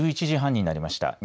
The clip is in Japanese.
１１時半になりました。